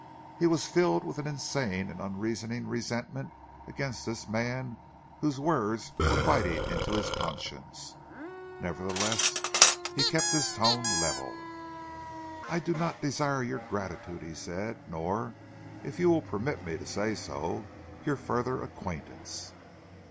He was filled with an insane and unreasoning resentment against this man whose words were biting into his conscience. Nevertheless, he kept his tone level. "I do not desire your gratitude," he said, "nor, if you will permit me to say so, your further acquaintance."